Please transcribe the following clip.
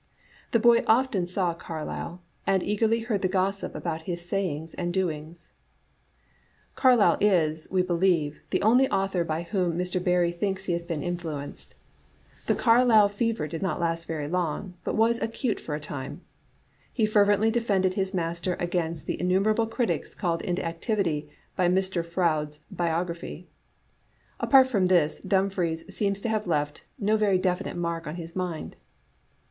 The boy often saw Carlyle, and eagerly heard the gossip about his sayings and doings. Digitized by VjOOQ IC }• A. 3Bartfe* xi Carlyle is, we believe, the only author by whom Mr. Barrie thinks he has been influenced. The Carlyle fever did not last very long, but was acute for a time. He fervently defended his master against the innumer able critics called into activity by Mr. Proude's biog raphy. Apart from this, Dumfries seems to have left no very definite mark on his mind.